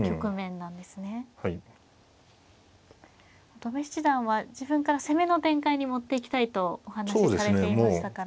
戸辺七段は自分から攻めの展開に持っていきたいとお話しされていましたから。